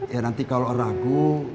ya nanti kalau ragu